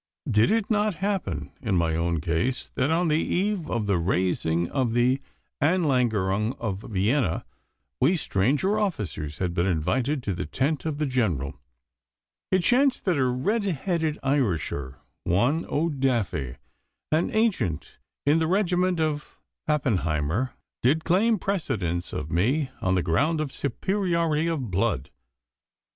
Did it not happen in my own case that, on the eve of the raising of the Anlagerung of Vienna, we stranger officers having been invited to the tent of the General, it chanced that a red headed Irisher, one O'Daffy, an ancient in the regiment of Pappenheimer, did claim precedence of me on the ground of superiority of blood?